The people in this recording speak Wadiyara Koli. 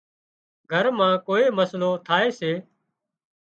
گھر مان ڪوئي مسئلو ٿائي سي